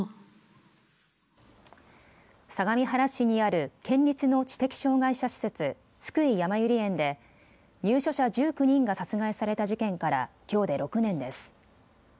相模原市にある県立の知的障害者施設津久井やまゆり園で入所者１９人が殺害された事件からきょうで６年です。